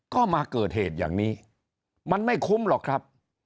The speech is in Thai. ก็มาเกิดเหตุอย่างนี้มันไม่คุ้มหรอกครับ